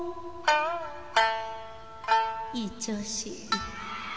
いい調子。